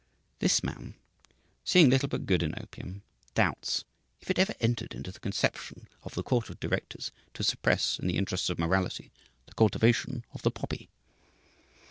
This man, seeing little but good in opium, doubts "if it ever entered into the conception of the court of directors to suppress in the interests of morality the cultivation of the poppy."